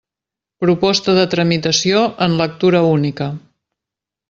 Proposta de tramitació en lectura única.